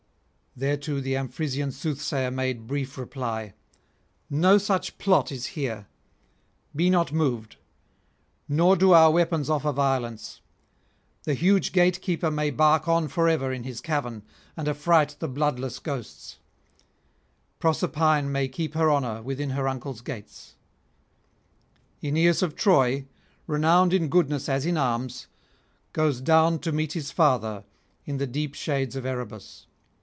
Thereto the Amphrysian soothsayer made brief reply: 'No such plot is here; be not moved; nor do our weapons offer violence; the huge gatekeeper may bark on for ever in his cavern and affright the bloodless ghosts; Proserpine may keep her honour within her uncle's gates. Aeneas of Troy, renowned [404 437]in goodness as in arms, goes down to meet his father in the deep shades of Erebus.